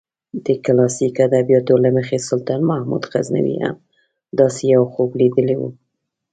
د کلاسیکو ادبیاتو له مخې سلطان محمود غزنوي هم داسې یو خوب لیدلی و.